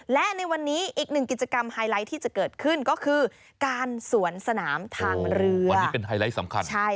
และในวันนี้อีกหนึ่งกิจกรรมไฮไลท์ที่จะเกิดขึ้นก็คือการสวนสนามทางเรือวันนี้เป็นไฮไลท์สำคัญใช่